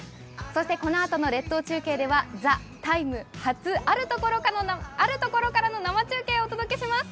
そしてこのあとの列島中継では「ＴＨＥＴＩＭＥ，」初、あるところからの生中継をお届けします。